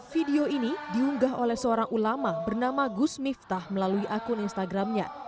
video ini diunggah oleh seorang ulama bernama gus miftah melalui akun instagramnya